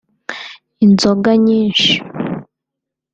Inzoga nyinshi